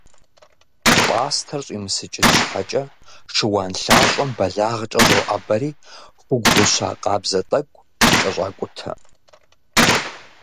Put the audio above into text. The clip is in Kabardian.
Пӏастэр щӏимысыкӏын щхьэкӏэ, шыуан лъащӏэм бэлагъкӏэ щӏоӏэбэри, хугу гъущэ къабзэ тӏэкӏу кӏэщӏакӏутэ.